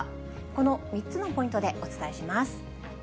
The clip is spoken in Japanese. この３つのポイントでお伝えします。